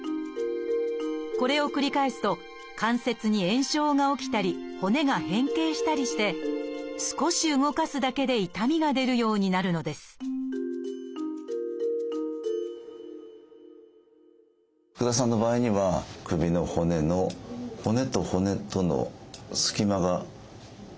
これを繰り返すと関節に炎症が起きたり骨が変形したりして少し動かすだけで痛みが出るようになるのです福田さんの場合には首の骨の骨と骨との隙間が少し減ってきてます。